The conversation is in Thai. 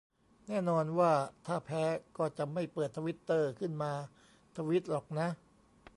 แน่นอนว่าถ้าแพ้ก็จะไม่เปิดทวิตเตอร์ขึ้นมาทวีตหรอกนะ